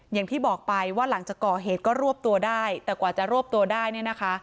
อย่างที่บอกไปว่าหลังจากก่อเหตุก็รวบตัวได้แต่กว่าจะรวบตัวได้เนี่ยนะคะ